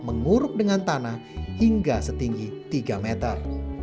menguruk dengan tanah hingga setinggi tiga meter